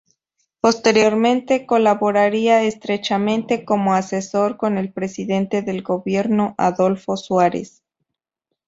Posteriormente colaboraría estrechamente, como asesor, con el presidente del Gobierno, Adolfo Suárez.